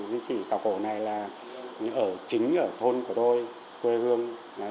di chỉ khảo cổ này là ở chính ở thôn của tôi quê hương